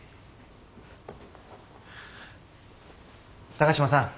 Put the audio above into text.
高島さん。